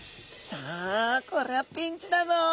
さあこれはピンチだぞ。